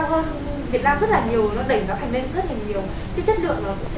nó đẩy nó thành nên rất là nhiều